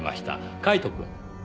カイトくん。